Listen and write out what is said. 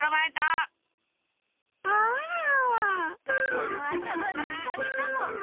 このあたまのおかげかも！